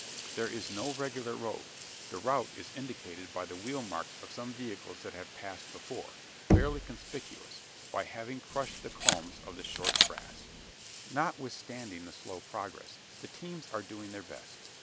There is no regular road. The route is indicated by the wheel marks of some vehicles that have passed before barely conspicuous, by having crushed the culms of the shot grass. Notwithstanding the slow progress, the teams are doing their best.